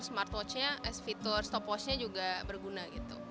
smartwatchnya fitur stopwatchnya juga berguna